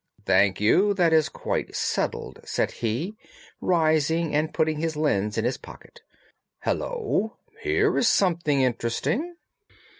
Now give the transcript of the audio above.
"Thank you. That is quite settled," said he, rising and putting his lens in his pocket. "Hullo! Here is something interesting!"